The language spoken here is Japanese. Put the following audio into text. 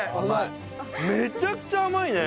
めちゃくちゃ甘いね。